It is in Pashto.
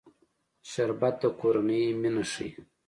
شربت د کورنۍ مینه ښيي